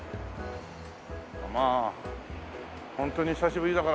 まあホントに久しぶりだから。